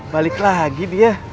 balik lagi dia